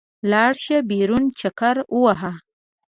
لاړ شه، بېرون چکر ووهه.